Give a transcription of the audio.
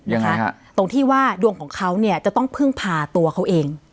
ยังไงฮะตรงที่ว่าดวงของเขาเนี่ยจะต้องพึ่งพาตัวเขาเอง